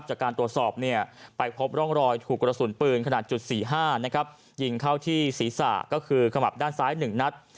จากการตรวจสอบเนี่ยไปพบร่องรอยถูกกระสุนปืนขนาดจุด๔๕นะครับยิงเข้าที่ศีรษะก็คือขมับด้านซ้าย๑นัด